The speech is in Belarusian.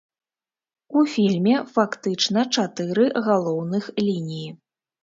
У фільме фактычна чатыры галоўных лініі.